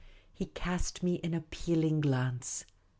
He cast me an appealing glance.